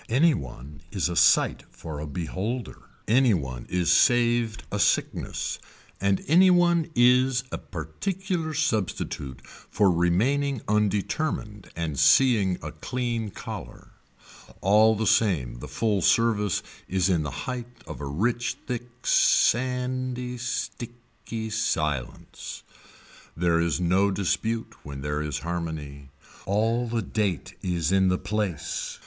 Any one is a sight for a beholder. Any one is saved a sickness. And any one is a particular substitute for remaining undetermined and seeing a clean collar. All the same the full service is in the height of a rich thick sandy sticky silence. There is no dispute when there is harmony. All the date is in the place.